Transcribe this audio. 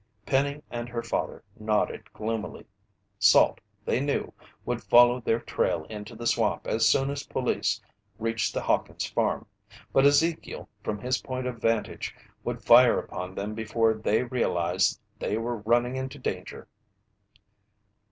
Penny and her father nodded gloomily. Salt, they knew, would follow their trail into the swamp as soon as police reached the Hawkins' farm. But Ezekiel from his point of vantage, would fire upon them before they realized they were running into danger.